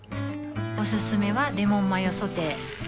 おすすめはレモンマヨソテー